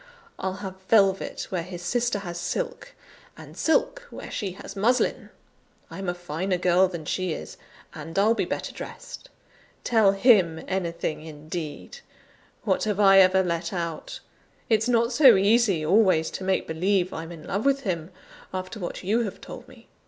I'll have velvet where his sister has silk, and silk where she has muslin: I'm a finer girl than she is, and I'll be better dressed. Tell him anything, indeed! What have I ever let out? It's not so easy always to make believe I'm in love with him, after what you have told me.